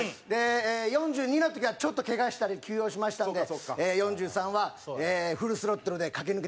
４２の時は、ちょっと怪我したり休養しましたので４３は、フルスロットルで駆け抜けたいと思います。